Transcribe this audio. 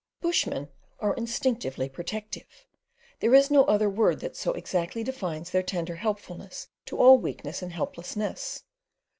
Bushmen are instinctively protective. There is no other word that so exactly defines their tender helpfulness to all weakness and helplessness.